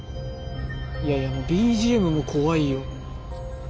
いやいやもうＢＧＭも怖いよ。